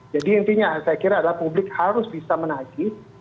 jadi intinya saya kira adalah publik harus bisa menaji